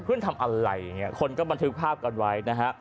เพื่อนทำอะไรอย่างนี้คนก็บันทึกภาพกันไว้นะฮะ